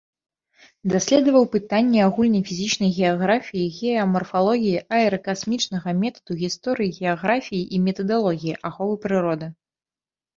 Даследаваў пытанні агульнай фізічнай геаграфіі, геамарфалогіі, аэракасмічнага метаду, гісторыі, геаграфіі і метадалогіі, аховы прыроды.